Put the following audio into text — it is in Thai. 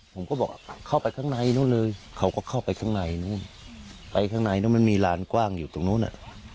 ผมก็บอกเข้าไปข้างในนู้นเลยเขาก็เข้าไปข้างในนู้นไปข้างในแล้วมันมีลานกว้างอยู่ตรงนู้นอ่ะ